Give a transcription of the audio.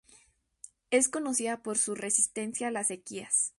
Es conocida por su resistencia a las sequías.